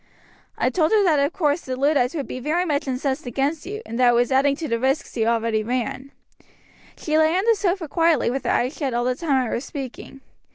"I told her that of course the Luddites would be very much incensed against you and that it was adding to the risks that you already ran. She lay on the sofa quietly with her eyes shut all the time I was speaking.